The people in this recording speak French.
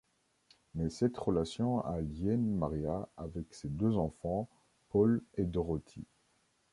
Mais cette relation aliène Maria avec ses deux enfants Paul et Dorothy.